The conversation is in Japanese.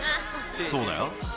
そうだよ。